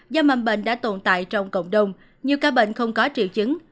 do mầm bệnh đã tồn tại trong cộng đồng nhiều ca bệnh không có triệu chứng